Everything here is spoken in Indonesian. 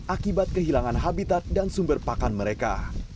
akibat kehilangan habitat dan sumber pakan mereka